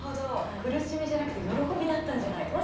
苦しみじゃなくて喜びだったんじゃないかと。